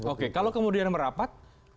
oke kalau kemudian merapat